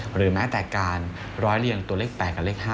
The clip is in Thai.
หรือแม้แต่การร้อยเรียงตัวเลข๘กับเลข๕